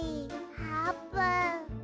あーぷん。